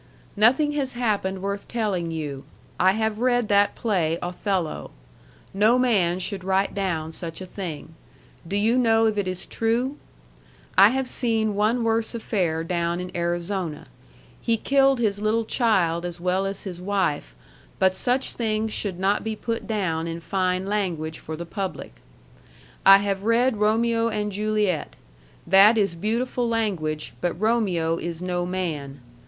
Nothing has happened worth telling you. I have read that play Othello. No man should write down such a thing. Do you know if it is true? I have seen one worse affair down in Arizona. He killed his little child as well as his wife but such things should not be put down in fine language for the public. I have read Romeo and Juliet. That is beautiful language but Romeo is no man.